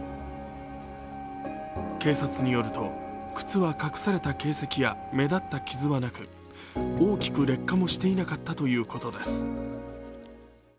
警察によると、靴は隠された形跡や目立った傷はなく、大きく劣化もしていなかったということです。